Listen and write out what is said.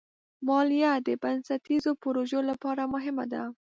مالیه د بنسټیزو پروژو لپاره مهمه ده.